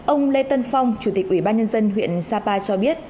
ông lê tân phong chủ tịch ubnd huyện sapa cho biết